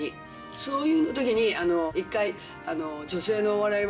そういう時に一回。